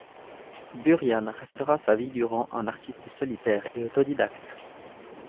Burian restera sa vie durant un artiste solitaire et autodidacte.